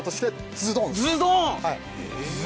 ズドーン！